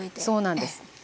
そうなんです。